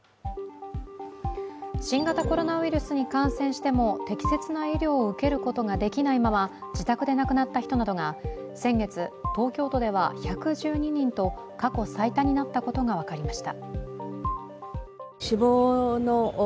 新型コロナウイルスに感染しても適切な医療を受けることができないまま、自宅で亡くなった人などが先月、東京都では１１２人と過去最多になったことが分かりました。